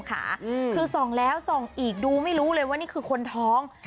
คือส่องแล้วส่องอีกดูไม่รู้เลยว่านี่คือคนท้อง